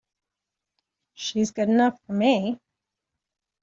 She's good enough for me!